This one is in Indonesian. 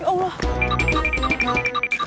ya tapi tapi mister